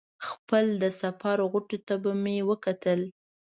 خپلې د سفر غوټو ته به مې وکتل.